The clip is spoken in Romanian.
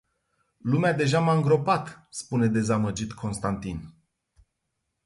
Lumea deja m-a îngropat, spune dezamăgit Constantin.